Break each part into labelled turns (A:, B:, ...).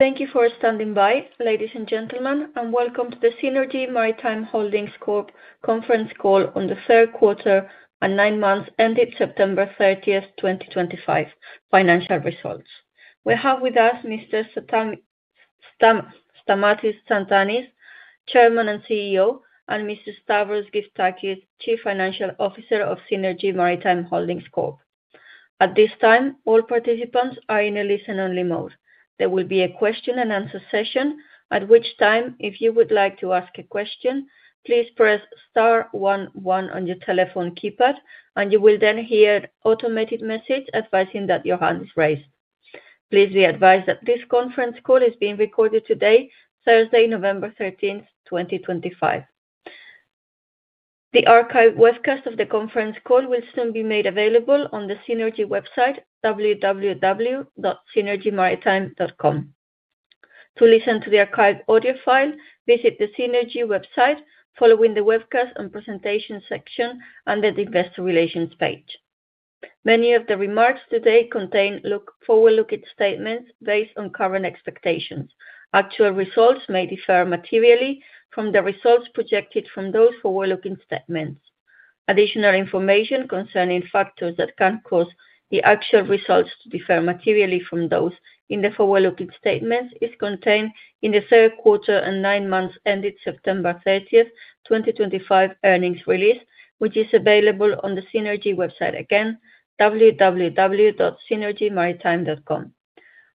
A: Thank you for standing by, ladies and gentlemen, and welcome to the Seanergy Maritime Holdings Corp Conference Call on the Third Quarter and Nine Months, Ended September 30, 2025, Financial Results. We have with us Mr. Stamatis Tsantanis, Chairman and CEO, and Mr. Stavros Gyftakis, Chief Financial Officer of Seanergy Maritime Holdings Corp. At this time, all participants are in a listen-only mode. There will be a question and answer session, at which time, if you would like to ask a question, please press star 11 on your telephone keypad, and you will then hear an automated message advising that your hand is raised. Please be advised that this conference call is being recorded today, Thursday, November 13, 2025. The archived webcast of the conference call will soon be made available on the Seanergy website, www.seanergymaritime.com. To listen to the archived audio file, visit the Seanergy website following the webcast and presentation section under the Investor Relations page. Many of the remarks today contain forward-looking statements based on current expectations. Actual results may differ materially from the results projected from those forward-looking statements. Additional information concerning factors that can cause the actual results to differ materially from those in the forward-looking statements is contained in the third quarter and nine months, ended September 30, 2025, earnings release, which is available on the Seanergy website again, www.seanergymaritime.com.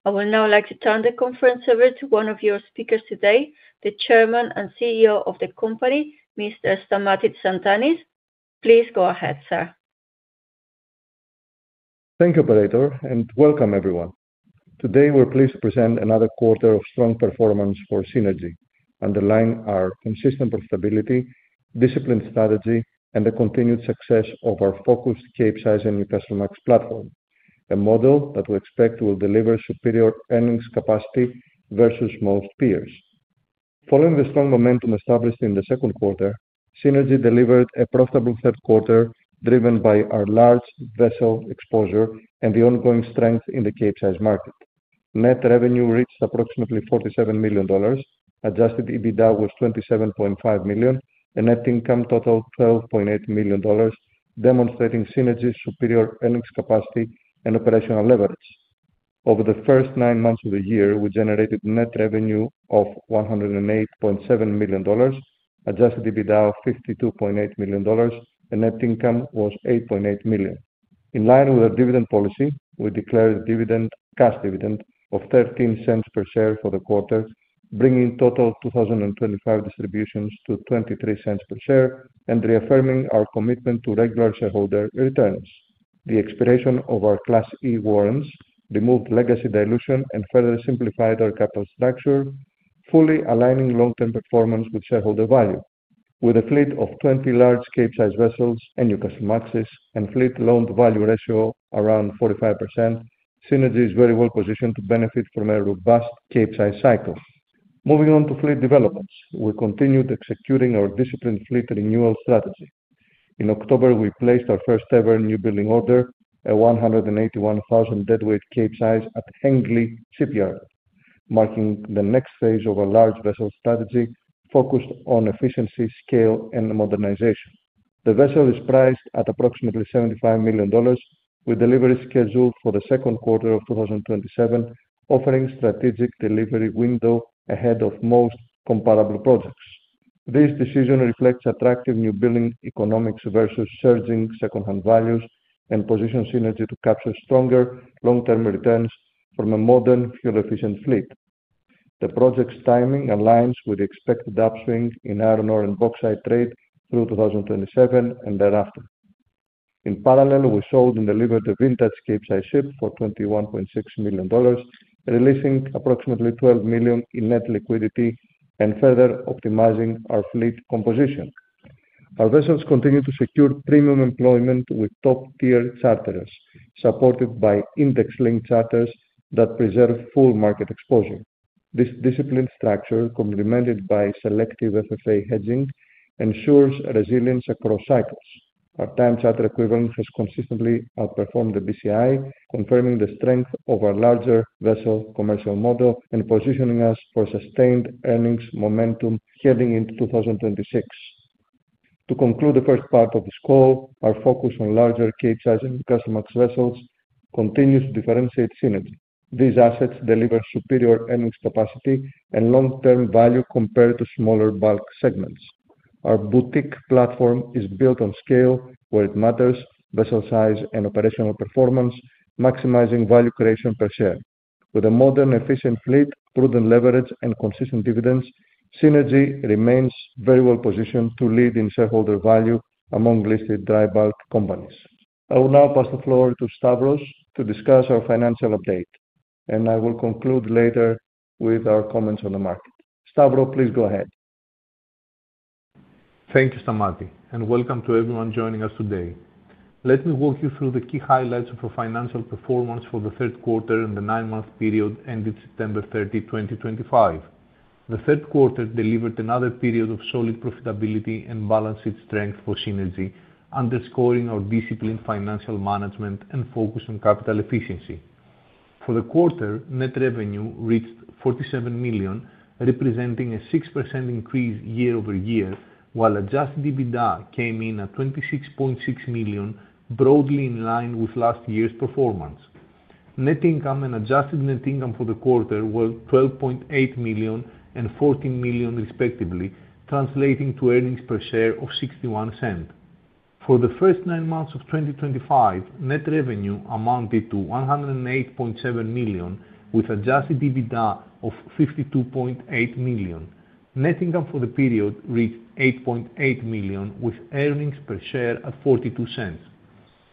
A: I would now like to turn the conference over to one of your speakers today, the Chairman and CEO of the company, Mr. Stamatis Tsantanis. Please go ahead, sir.
B: Thank you, Operator, and welcome, everyone. Today, we're pleased to present another quarter of strong performance for Seanergy, underlying our consistent profitability, disciplined strategy, and the continued success of our focused Capesize investment max platform, a model that we expect will deliver superior earnings capacity versus most peers. Following the strong momentum established in the second quarter, Seanergy delivered a profitable third quarter driven by our large vessel exposure and the ongoing strength in the Capesize market. Net revenue reached approximately $47 million, adjusted EBITDA was $27.5 million, and net income totaled $12.8 million, demonstrating Seanergy's superior earnings capacity and operational leverage. Over the first nine months of the year, we generated net revenue of $108.7 million, adjusted EBITDA of $52.8 million, and net income was $8.8 million. In line with our dividend policy, we declared a cash dividend of $0.13 per share for the quarter, bringing total 2025 distributions to $0.23 per share and reaffirming our commitment to regular shareholder returns. The expiration of our Class E warrants removed legacy dilution and further simplified our capital structure, fully aligning long-term performance with shareholder value. With a fleet of 20 large Capesize vessels and new customer access and fleet loan-to-value ratio around 45%, Seanergy is very well positioned to benefit from a robust Capesize cycle. Moving on to fleet developments, we continued executing our disciplined fleet renewal strategy. In October, we placed our first-ever newbuilding order, a 181,000 deadweight Capesize at Hengli Heavy Industry, China, marking the next phase of our large vessel strategy focused on efficiency, scale, and modernization. The vessel is priced at approximately $75 million, with delivery scheduled for the second quarter of 2027, offering strategic delivery window ahead of most comparable projects. This decision reflects attractive newbuilding economics versus surging secondhand values and positions Seanergy to capture stronger long-term returns from a modern, fuel-efficient fleet. The project's timing aligns with the expected upswing in iron ore and bauxite trade through 2027 and thereafter. In parallel, we sold and delivered a vintage Capesize ship for $21.6 million, releasing approximately $12 million in net liquidity and further optimizing our fleet composition. Our vessels continue to secure premium employment with top-tier charters, supported by index-linked charters that preserve full market exposure. This disciplined structure, complemented by selective FFA hedging, ensures resilience across cycles. Our time charter equivalent has consistently outperformed the BCI, confirming the strength of our larger vessel commercial model and positioning us for sustained earnings momentum heading into 2026. To conclude the first part of this call, our focus on larger Capesize Newcastlemax vessels continues to differentiate Seanergy. These assets deliver superior earnings capacity and long-term value compared to smaller bulk segments. Our boutique platform is built on scale where it matters: vessel size and operational performance, maximizing value creation per share. With a modern, efficient fleet, prudent leverage, and consistent dividends, Seanergy remains very well positioned to lead in shareholder value among listed dry bulk companies. I will now pass the floor to Stavros to discuss our financial update, and I will conclude later with our comments on the market. Stavros, please go ahead.
C: Thank you, Stamatis, and welcome to everyone joining us today. Let me walk you through the key highlights of our financial performance for the third quarter and the nine-month period ended September 30, 2025. The third quarter delivered another period of solid profitability and balanced strength for Seanergy, underscoring our disciplined financial management and focus on capital efficiency. For the quarter, net revenue reached $47 million, representing a 6% increase year over year, while adjusted EBITDA came in at $26.6 million, broadly in line with last year's performance. Net income and adjusted net income for the quarter were $12.8 million and $14 million, respectively, translating to earnings per share of $0.61. For the first nine months of 2025, net revenue amounted to $108.7 million, with adjusted EBITDA of $52.8 million. Net income for the period reached $8.8 million, with earnings per share at $0.42.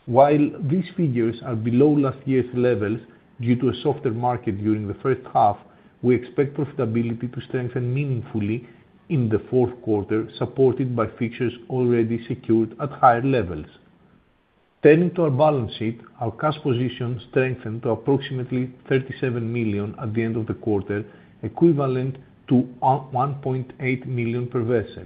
C: While these figures are below last year's levels due to a softer market during the first half, we expect profitability to strengthen meaningfully in the fourth quarter, supported by fixtures already secured at higher levels. Turning to our balance sheet, our cash position strengthened to approximately $37 million at the end of the quarter, equivalent to $1.8 million per vessel.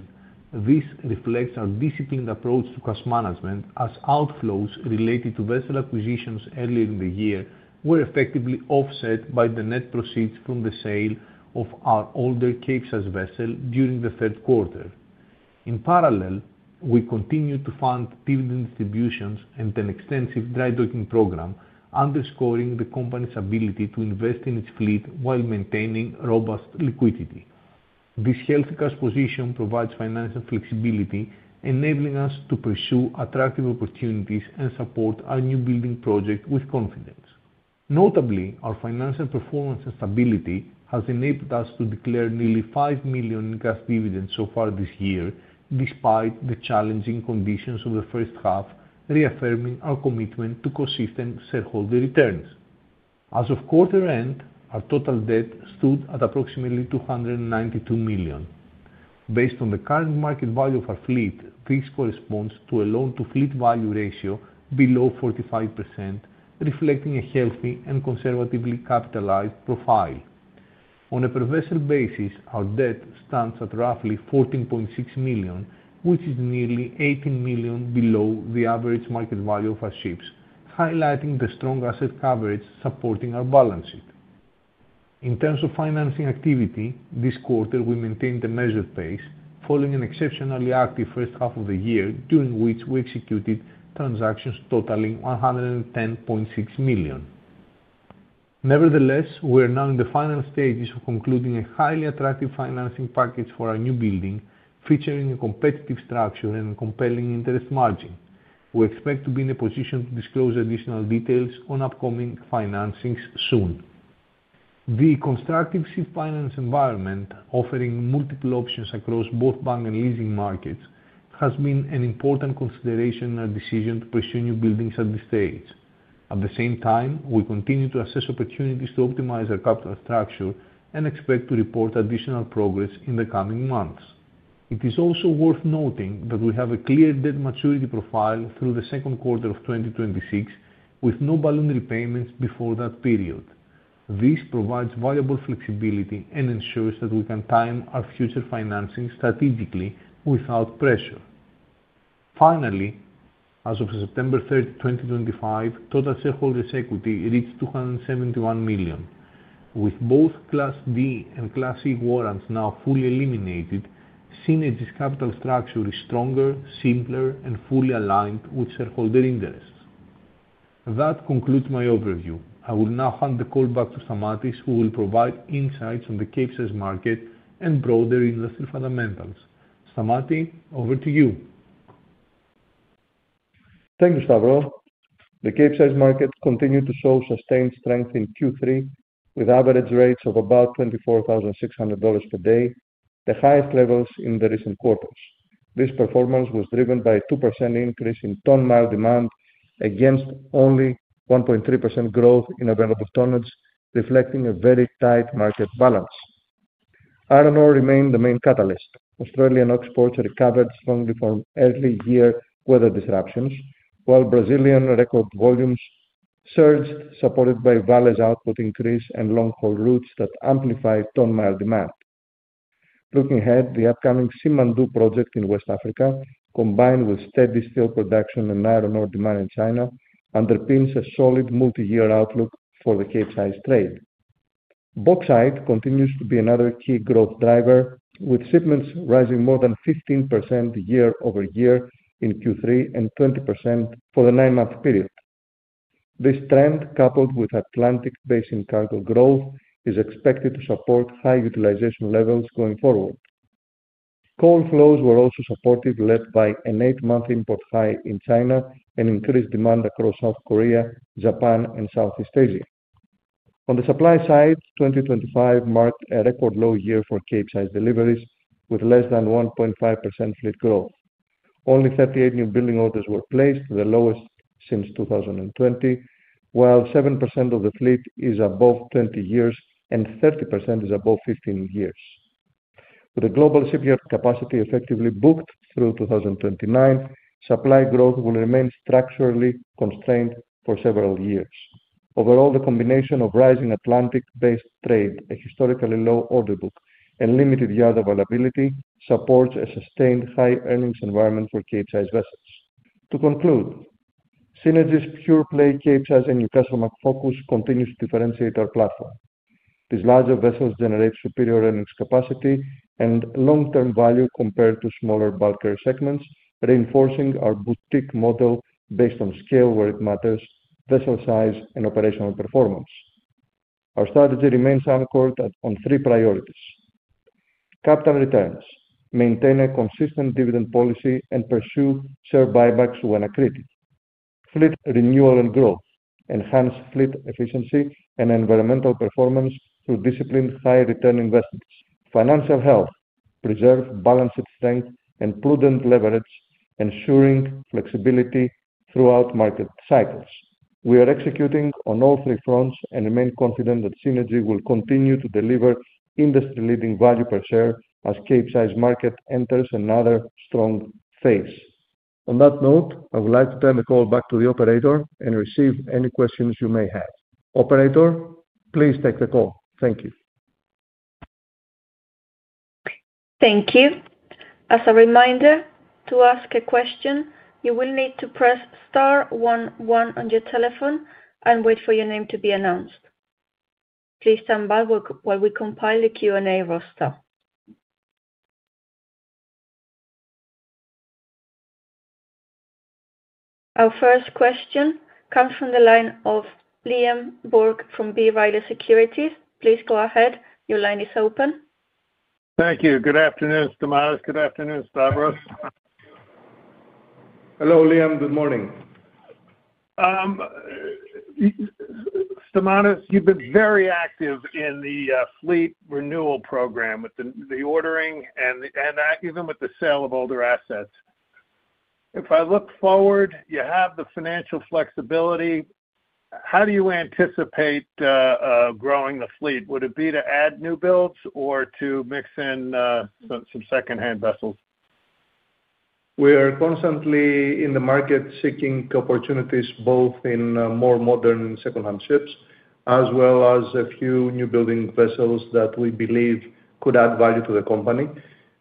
C: This reflects our disciplined approach to cash management, as outflows related to vessel acquisitions earlier in the year were effectively offset by the net proceeds from the sale of our older Capesize vessel during the third quarter. In parallel, we continue to fund dividend distributions and an extensive dry docking program, underscoring the company's ability to invest in its fleet while maintaining robust liquidity. This healthy cash position provides financial flexibility, enabling us to pursue attractive opportunities and support our newbuilding project with confidence. Notably, our financial performance and stability have enabled us to declare nearly $5 million in cash dividends so far this year, despite the challenging conditions of the first half, reaffirming our commitment to consistent shareholder returns. As of quarter end, our total debt stood at approximately $292 million. Based on the current market value of our fleet, this corresponds to a loan-to-fleet value ratio below 45%, reflecting a healthy and conservatively capitalized profile. On a per-vessel basis, our debt stands at roughly $14.6 million, which is nearly $18 million below the average market value of our ships, highlighting the strong asset coverage supporting our balance sheet. In terms of financing activity, this quarter we maintained a measured pace, following an exceptionally active first half of the year, during which we executed transactions totaling $110.6 million. Nevertheless, we are now in the final stages of concluding a highly attractive financing package for our new building, featuring a competitive structure and a compelling interest margin. We expect to be in a position to disclose additional details on upcoming financings soon. The constructive seed finance environment, offering multiple options across both bank and leasing markets, has been an important consideration in our decision to pursue new buildings at this stage. At the same time, we continue to assess opportunities to optimize our capital structure and expect to report additional progress in the coming months. It is also worth noting that we have a clear debt maturity profile through the second quarter of 2026, with no balloon repayments before that period. This provides valuable flexibility and ensures that we can time our future financing strategically without pressure. Finally, as of September 30, 2025, total shareholders' equity reached $271 million. With both Class D and Class E warrants now fully eliminated, Seanergy's capital structure is stronger, simpler, and fully aligned with shareholder interests. That concludes my overview. I will now hand the call back to Stamatis, who will provide insights on the Capesize market and broader industry fundamentals. Stamatis, over to you.
B: Thank you, Stavros. The Capesize market continued to show sustained strength in Q3, with average rates of about $24,600 per day, the highest levels in the recent quarters. This performance was driven by a 2% increase in ton-mile demand against only 1.3% growth in available tonnage, reflecting a very tight market balance. Iron ore remained the main catalyst. Australian exports recovered strongly from early year weather disruptions, while Brazilian record volumes surged, supported by Vale output increase and long-haul routes that amplified ton-mile demand. Looking ahead, the upcoming Simandou Project in West Africa, combined with steady steel production and iron ore demand in China, underpins a solid multi-year outlook for the Capesize trade. Bauxite continues to be another key growth driver, with shipments rising more than 15% year over year in Q3 and 20% for the nine-month period. This trend, coupled with Atlantic-based cargo growth, is expected to support high utilization levels going forward. Coal flows were also supported, led by an eight-month import high in China and increased demand across South Korea, Japan, and Southeast Asia. On the supply side, 2025 marked a record low year for Capesize deliveries, with less than 1.5% fleet growth. Only 38 newbuilding orders were placed, the lowest since 2020, while 7% of the fleet is above 20 years and 30% is above 15 years. With the global shipyard capacity effectively booked through 2029, supply growth will remain structurally constrained for several years. Overall, the combination of rising Atlantic-based trade, a historically low order book, and limited yard availability supports a sustained high earnings environment for Capesize vessels. To conclude, Seanergy's pure-play Capesize and Newcastlemax focus continues to differentiate our platform. These larger vessels generate superior earnings capacity and long-term value compared to smaller bulk carrier segments, reinforcing our boutique model based on scale where it matters: vessel size and operational performance. Our strategy remains anchored on three priorities, Capital returns, maintain a consistent dividend policy and pursue share buybacks when accretive. Fleet renewal and growth: enhance fleet efficiency and environmental performance through disciplined high-return investments. Financial health: preserve balanced strength and prudent leverage, ensuring flexibility throughout market cycles. We are executing on all three fronts and remain confident that Seanergy will continue to deliver industry-leading value per share as the Capesize market enters another strong phase. On that note, I would like to turn the call back to the operator and receive any questions you may have. Operator, please take the call. Thank you.
A: Thank you. As a reminder, to ask a question, you will need to press star 11 on your telephone and wait for your name to be announced. Please stand by while we compile the Q and rosto. Our first question comes from the line of Liam Burke from B. Riley Securities. Please go ahead. Your line is open.
D: Thank you. Good afternoon, Stamatis. Good afternoon, Stavros.
C: Hello, Liam. Good morning.
D: Stamatis, you've been very active in the fleet renewal program with the ordering and even with the sale of older assets. If I look forward, you have the financial flexibility. How do you anticipate growing the fleet? Would it be to add new builds or to mix in some second-hand vessels?
B: We are constantly in the market seeking opportunities, both in more modern second-hand ships as well as a few new building vessels that we believe could add value to the company.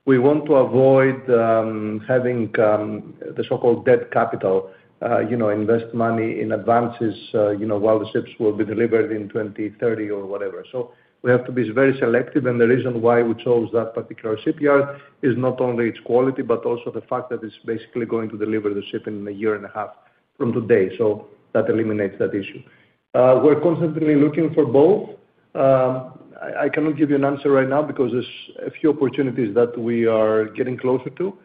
B: We want to avoid having the so-called dead capital, invest money in advances while the ships will be delivered in 2030 or whatever. We have to be very selective, and the reason why we chose that particular shipyard is not only its quality, but also the fact that it is basically going to deliver the ship in a year and a half from today. That eliminates that issue. We are constantly looking for both. I cannot give you an answer right now because there are a few opportunities that we are getting closer to.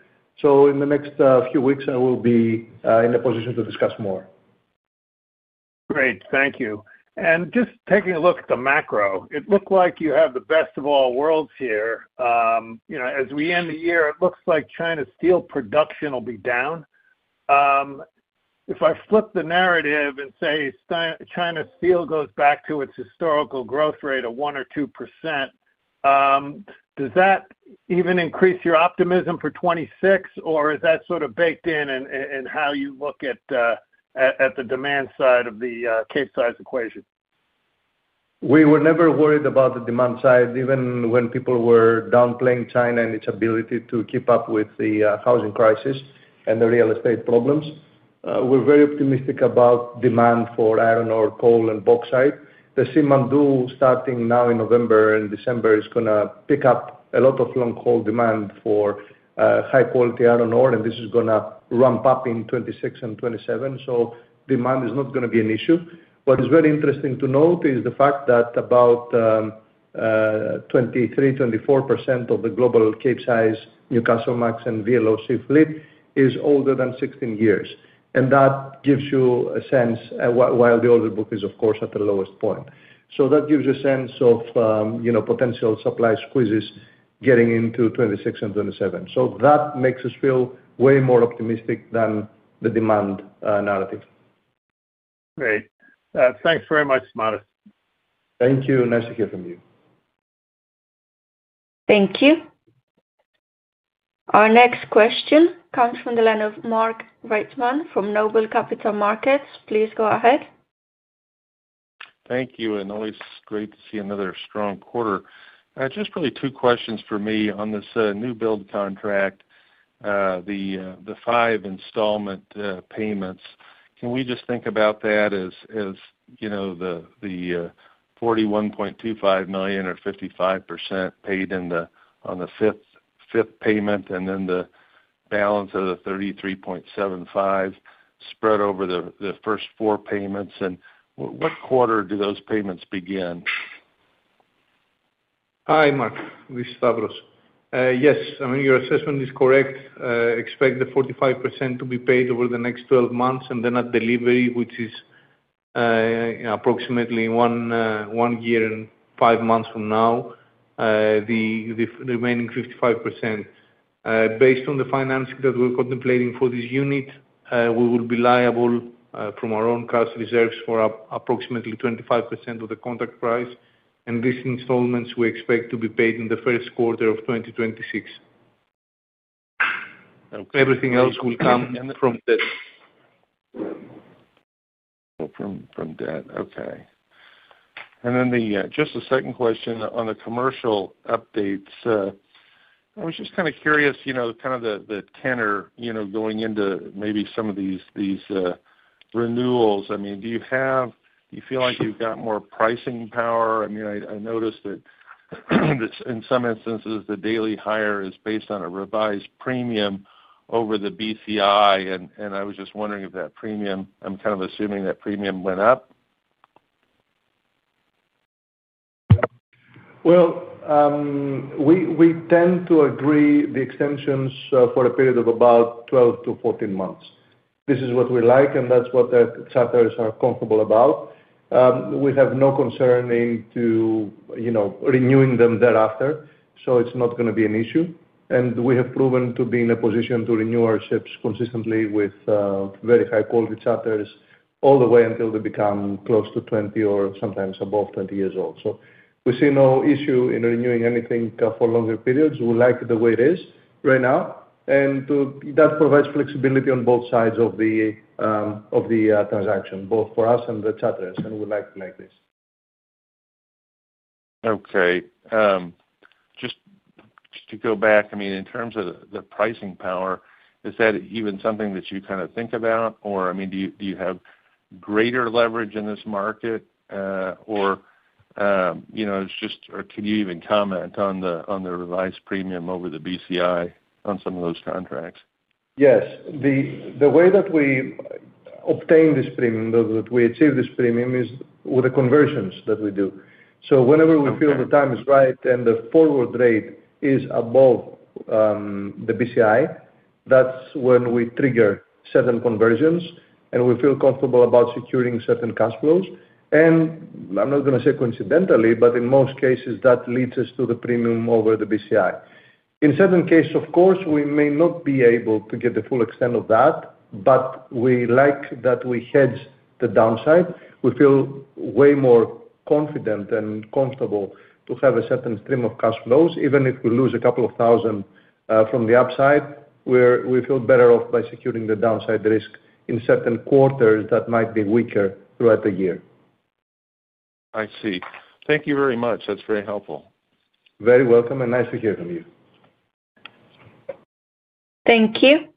B: In the next few weeks, I will be in a position to discuss more.
D: Great. Thank you. Just taking a look at the macro, it looked like you have the best of all worlds here. As we end the year, it looks like China's steel production will be down. If I flip the narrative and say China's steel goes back to its historical growth rate of 1% or 2%, does that even increase your optimism for 2026, or is that sort of baked in in how you look at the demand side of the Capesize equation?
B: We were never worried about the demand side, even when people were downplaying China and its ability to keep up with the housing crisis and the real estate problems. We're very optimistic about demand for iron ore, coal, and bauxite. The Simandou, starting now in November and December, is going to pick up a lot of long-haul demand for high-quality iron ore, and this is going to ramp up in 2026 and 2027. Demand is not going to be an issue. What is very interesting to note is the fact that about 23%-24% of the global Capesize, Newcastle Max, and VLOC fleet is older than 16 years. That gives you a sense while the order book is, of course, at the lowest point. That gives you a sense of potential supply squeezes getting into 2026 and 2027. That makes us feel way more optimistic than the demand narrative.
D: Great. Thanks very much, Stamatis. Thank you. Nice to hear from you.
A: Thank you. Our next question comes from the line of Mark Reichman from Noble Capital Markets. Please go ahead.
E: Thank you. Always great to see another strong quarter. Just really two questions for me on this new build contract, the five installment payments. Can we just think about that as the $41.25 million or 55% paid on the fifth payment, and then the balance of the $33.75 million spread over the first four payments? What quarter do those payments begin?
C: Hi, Mark. This is Stavros. Yes. I mean, your assessment is correct. Expect the 45% to be paid over the next 12 months and then at delivery, which is approximately one year and five months from now, the remaining 55%. Based on the financing that we're contemplating for this unit, we will be liable from our own cash reserves for approximately 25% of the contract price. And these installments, we expect to be paid in the first quarter of 2026. Everything else will come from that.
E: Okay. And then just a second question on the commercial updates. I was just kind of curious, kind of the tenor going into maybe some of these renewals. I mean, do you feel like you've got more pricing power? I mean, I noticed that in some instances, the daily hire is based on a revised premium over the BCI, and I was just wondering if that premium, I am kind of assuming that premium went up.
C: We tend to agree the extensions for a period of about 12 to 14 months. This is what we like, and that's what the charterers are comfortable about. We have no concern into renewing them thereafter, so it's not going to be an issue. We have proven to be in a position to renew our ships consistently with very high-quality charterers all the way until they become close to 20 or sometimes above 20 years old. We see no issue in renewing anything for longer periods. We like it the way it is right now. That provides flexibility on both sides of the transaction, both for us and the charterers, and we like this.
E: Okay. Just to go back, I mean, in terms of the pricing power, is that even something that you kind of think about? Or, I mean, do you have greater leverage in this market? Or it's just, or can you even comment on the revised premium over the BCI on some of those contracts?
C: Yes. The way that we obtain this premium, that we achieve this premium, is with the conversions that we do. Whenever we feel the time is right and the forward rate is above the BCI, that is when we trigger certain conversions, and we feel comfortable about securing certain cash flows. I am not going to say coincidentally, but in most cases, that leads us to the premium over the BCI. In certain cases, of course, we may not be able to get the full extent of that, but we like that we hedge the downside. We feel way more confident and comfortable to have a certain stream of cash flows, even if we lose a couple of thousand from the upside. We feel better off by securing the downside risk in certain quarters that might be weaker throughout the year.
E: I see. Thank you very much. That's very helpful.
B: Very welcome and nice to hear from you.
A: Thank you.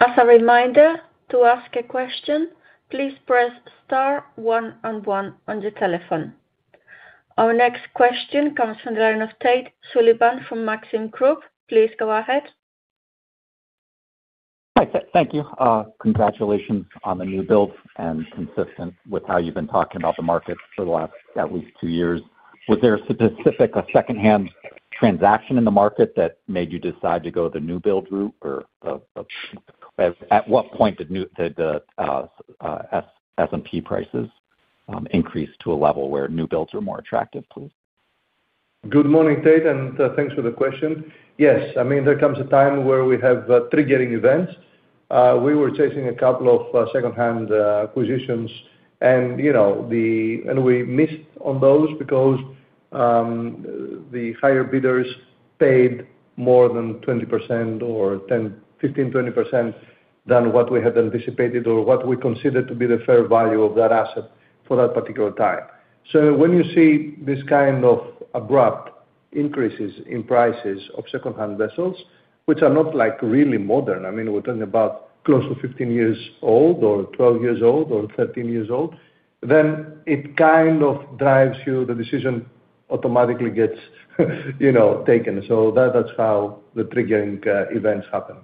A: As a reminder to ask a question, please press star 11 on your telephone. Our next question comes from the line of Tate Sullivan from Maxim Group. Please go ahead.
F: Hi. Thank you. Congratulations on the new builds and consistent with how you've been talking about the market for the last at least two years. Was there a specific second-hand transaction in the market that made you decide to go the new build route? Or at what point did the S&P prices increase to a level where new builds are more attractive, please?
B: Good morning, Tate, and thanks for the question. Yes. I mean, there comes a time where we have triggering events. We were chasing a couple of second-hand acquisitions, and we missed on those because the higher bidders paid more than 20% or 15% to 20% than what we had anticipated or what we considered to be the fair value of that asset for that particular time. When you see this kind of abrupt increases in prices of second-hand vessels, which are not really modern, I mean, we're talking about close to 15 years old or 12 years old or 13 years old, then it kind of drives you, the decision automatically gets taken. That is how the triggering events happen.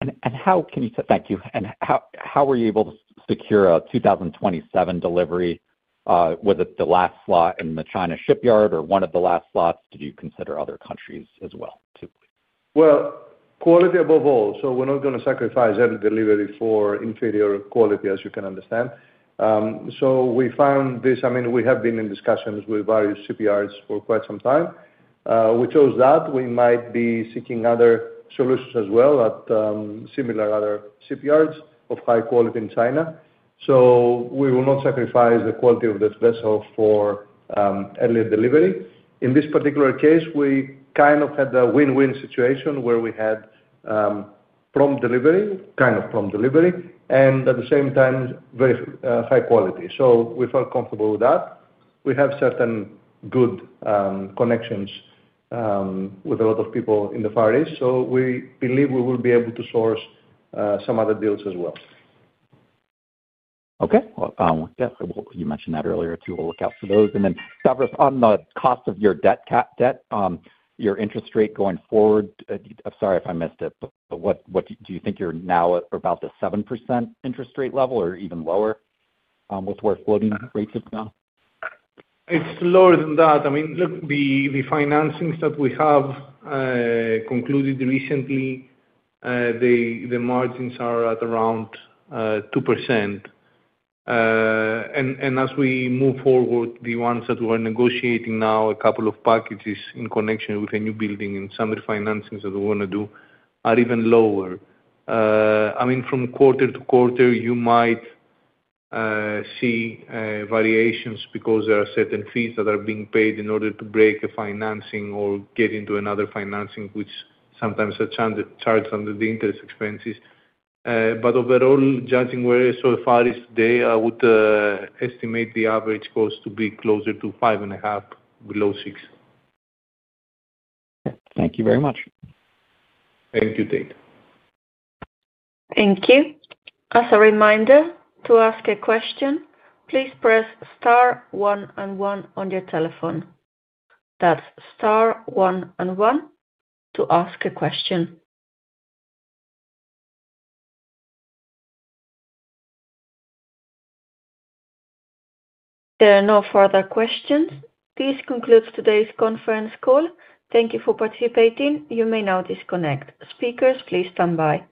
F: Thank you. And how were you able to secure a 2027 delivery? Was it the last slot in the China shipyard or one of the last slots? Did you consider other countries as well too?
B: Quality above all. We are not going to sacrifice any delivery for inferior quality, as you can understand. We have been in discussions with various shipyards for quite some time. We chose that. We might be seeking other solutions as well at similar other shipyards of high quality in China. We will not sacrifice the quality of this vessel for early delivery. In this particular case, we kind of had a win-win situation where we had prompt delivery, kind of prompt delivery, and at the same time, very high quality. We felt comfortable with that. We have certain good connections with a lot of people in the Far East, so we believe we will be able to source some other deals as well.
F: Okay. Yeah. You mentioned that earlier too. We'll look out for those. Stavros, on the cost of your debt, your interest rate going forward, I'm sorry if I missed it, but do you think you're now about the 7% interest rate level or even lower with where floating rates have gone?
C: It's lower than that. I mean, look, the financings that we have concluded recently, the margins are at around 2%. And as we move forward, the ones that we're negotiating now, a couple of packages in connection with a new building and some refinancings that we want to do, are even lower. I mean, from quarter to quarter, you might see variations because there are certain fees that are being paid in order to break a financing or get into another financing, which sometimes are charged under the interest expenses. But overall, judging where so far is today, I would estimate the average cost to be closer to five and a half, below six.
F: Okay. Thank you very much.
C: Thank you, Tate.
A: Thank you. As a reminder to ask a question, please press star 11 on your telephone. That's star 11 to ask a question. There are no further questions. This concludes today's conference call. Thank you for participating. You may now disconnect. Speakers, please stand by.